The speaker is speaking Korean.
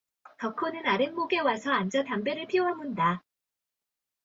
덕호는 아랫목에 와서 앉아 담배를 피워 문다.